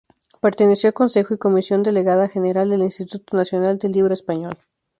Perteneció al Consejo y Comisión Delegada General del Instituto Nacional del Libro Español.